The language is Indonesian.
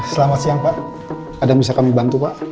selamat siang pak ada yang bisa kami bantu pak